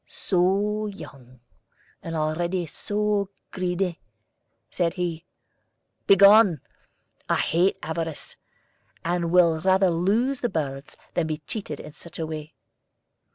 "So young, and already so greedy!" said he. "Begone! I hate avarice, and will rather lose the birds than be cheated in such a way."